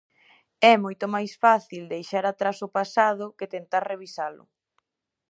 É moito máis fácil deixar atrás o pasado que tentar revisalo.